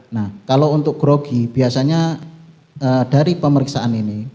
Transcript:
nah kalau untuk grogi biasanya dari pemeriksaan ini